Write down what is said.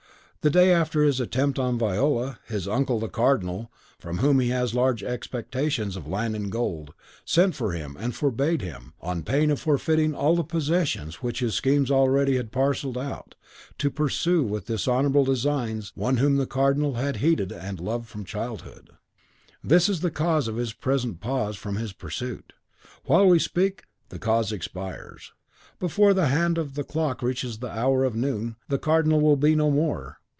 The day after his attempt on Viola, his uncle, the Cardinal , from whom he has large expectations of land and gold, sent for him, and forbade him, on pain of forfeiting all the possessions which his schemes already had parcelled out, to pursue with dishonourable designs one whom the Cardinal had heeded and loved from childhood. This is the cause of his present pause from his pursuit. While we speak, the cause expires. Before the hand of the clock reaches the hour of noon, the Cardinal will be no more.